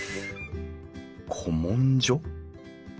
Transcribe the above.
古文書？